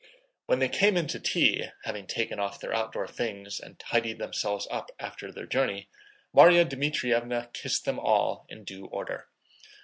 When they came in to tea, having taken off their outdoor things and tidied themselves up after their journey, Márya Dmítrievna kissed them all in due order.